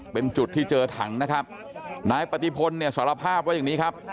เป็นจุดที่เจอถังนะครับนายปฏิพลเนี่ยสารภาพว่าอย่างนี้ครับ